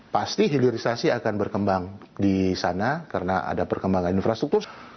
pasti hilirisasi akan berkembang di sana karena ada perkembangan infrastruktur